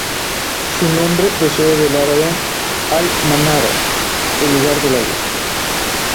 Su nombre procede del árabe "al manara", "el lugar de la luz".